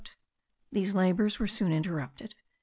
These labours were soon interrupted.